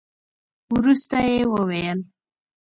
وروسته يې وويل.